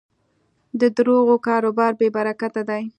د دروغو کاروبار بېبرکته دی.